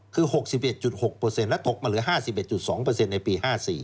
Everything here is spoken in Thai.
คือ๖๑๖และตกมาเหลือ๕๑๒ในปี๕๔